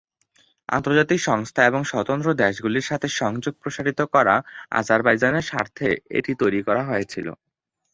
আন্তর্জাতিক সংস্থা এবং স্বতন্ত্র দেশগুলির সাথে সংযোগ প্রসারিত করা আজারবাইজানের স্বার্থে এটি তৈরি করা হয়েছিল।